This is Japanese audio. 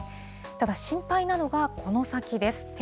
ただ、心配なのが、この先です。